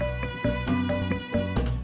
tau mau mengobati